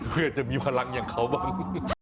เพื่อจะมีพลังอย่างเขาบ้าง